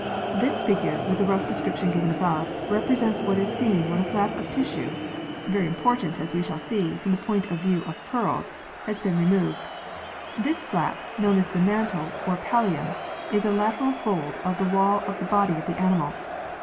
This figure, with the rough description given above, represents what is seen when a flap of tissue (very .important, as 26 PEARLS [CH. we shall see, from the point of view of pearls) has been removed. This flap, known as the mantle or pallium, is a lateral fold of the wall of the body of the animal.